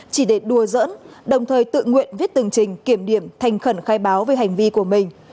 chỉ để đùa giỡn đồng thời tự nguyện viết từng trình kiểm điểm thành khẩn khai báo về hành vi của mình